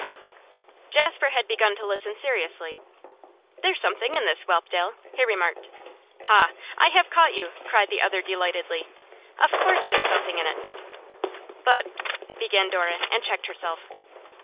Jasper had begun to listen seriously. 'There's something in this, Whelpdale,' he remarked. 'Ha! I have caught you?' cried the other delightedly. 'Of course there's something in it?' 'But ' began Dora, and checked herself.